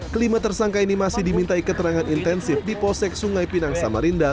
kelima tersangka ini masih dimintai keterangan intensif di posek sungai pinang samarinda